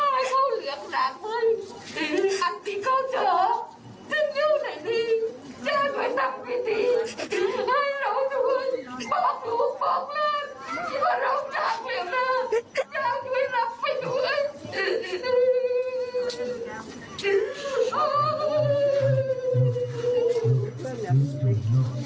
ว่าเราจากเหลืองหลากอยากไปรับไปทุกคน